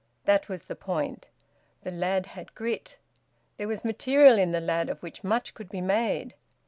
That was the point: the lad had grit; there was material in the lad of which much could be made.